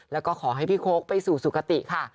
แล้วก็ขอให้พี่โค้กไปสู่สุขติค่ะ